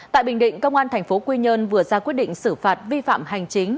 tại bình định công an tp quy nhơn vừa ra quyết định xử phạt vi phạm hành chính